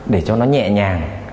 để cho nó nhẹ nhàng